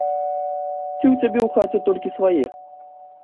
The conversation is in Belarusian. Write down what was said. Ці ў цябе ў хаце толькі свае?